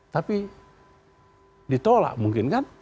tapi ditolak mungkin kan